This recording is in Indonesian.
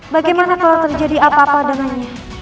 bagaimana kalau terjadi apa apa dengannya